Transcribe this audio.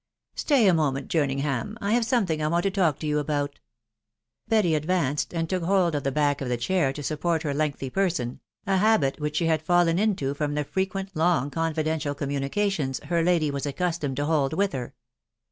" Stay a moment, Jerningham : I have something I want to talk to vou about/ ' Btitiy advanced j and took hold of the back of the chair to support her lengthy person, a habit which she had fallen into from the frequent long confidential communications her lady was accustomed to hold with her.